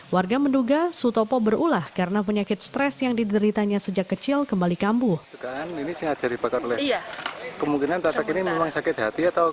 warga menduga sutopo berulah karena penyakit stres yang dideritanya sejak kecil kembali kambuh